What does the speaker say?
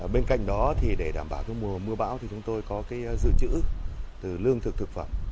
bên cạnh đó thì để đảm bảo mùa mưa bão thì chúng tôi có dự trữ từ lương thực thực phẩm